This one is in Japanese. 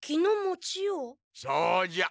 そうじゃ。